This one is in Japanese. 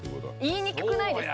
言いにくくないですか？